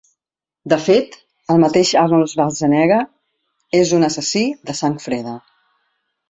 De fet, el mateix Arnold Schwarzenegger és un assassí de sang freda.